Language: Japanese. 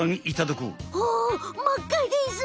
おおまっかです！